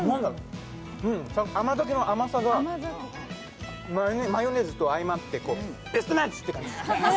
甘酒の甘さがマヨネーズとあいまってベストマッチ！！って感じ。